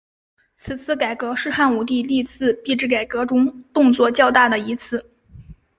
此次改革是汉武帝历次币制改革中动作较大的一次。